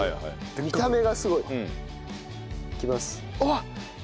見た目がすごい。いきます。